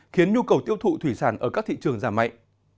khiến nhu cầu tiêu thụ thủy sản ở các thị trường giảm mạnh